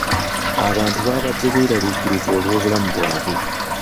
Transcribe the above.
Abantu baabadde beeraliikirivu olw'obulamu bwabwe.